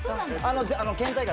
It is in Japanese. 県大会